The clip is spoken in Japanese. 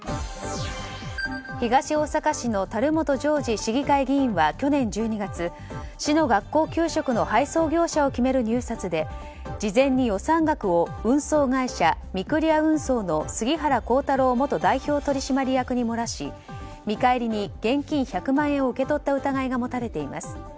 東大阪市の樽本丞史市議会議員は去年１２月市の学校給食の配送業者を決める入札で事前に額を運送会社御厨運送の杉原幸太郎元代表取締役に漏らし見返りに現金１００万円を受け取った疑いが持たれています。